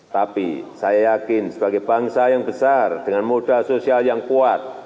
tapi saya yakin sebagai bangsa yang besar dengan modal sosial yang kuat